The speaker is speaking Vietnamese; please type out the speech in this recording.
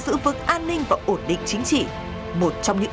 giữ vững an ninh và ổn định chính trị một trong những